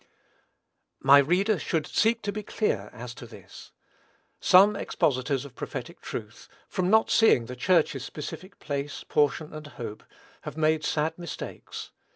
My reader should seek to be clear as to this. Some expositors of prophetic truth, from not seeing the Church's specific place, portion, and hope, have made sad mistakes.